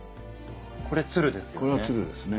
これ鶴ですよね。